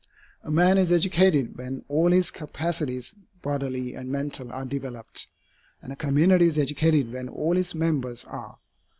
A man is educated when all his capacities bodily and mental are developed, and a community is educated when all its members are.